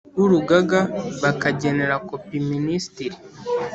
W urugaga bakagenera kopi minisitiri